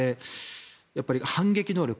やっぱり、反撃能力